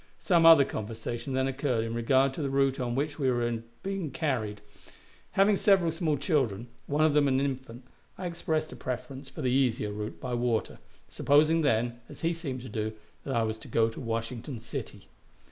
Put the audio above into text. Some other conversation then occurred in regard to the route on which we were to be carried. Having several small children, one of them an infant, I expressed a preference for the easier route by water, supposing then, as he seemed to do, that I was to go to Washington City.